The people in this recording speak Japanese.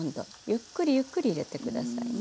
ゆっくりゆっくり入れてください。